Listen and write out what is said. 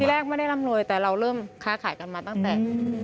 แรกไม่ได้ร่ำรวยแต่เราเริ่มค้าขายกันมาตั้งแต่